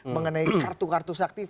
mengenai kartu kartu sakit